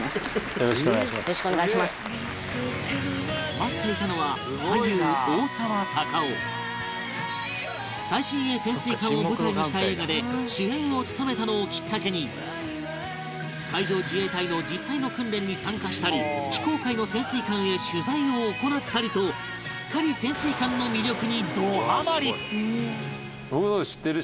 待っていたのは俳優最新鋭潜水艦を舞台にした映画で主演を務めたのをきっかけに海上自衛隊の実際の訓練に参加したり非公開の潜水艦へ取材を行ったりとすっかり僕の事知ってる？